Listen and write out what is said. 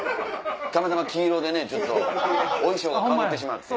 たまたま黄色でねちょっとお衣装がかぶってしまって。